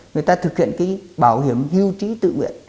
người ta thực hiện cái bảo hiểm hưu trí tự nguyện